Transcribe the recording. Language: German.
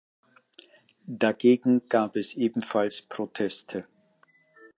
Dagegen gab es ebenfalls Proteste.